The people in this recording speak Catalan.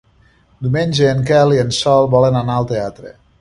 Diumenge en Quel i en Sol volen anar al teatre.